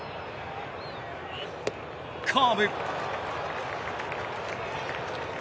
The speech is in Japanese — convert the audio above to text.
カーブ。